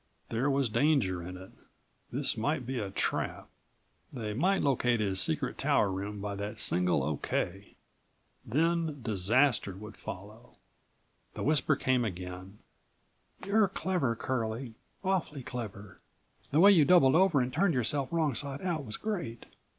There was danger in it. This might be a trap. They might locate his secret tower room by that single O.K. Then disaster would follow. The whisper came again: "You're clever, Curlie, awfully clever. The way you doubled over and turned yourself wrong side out was53 great!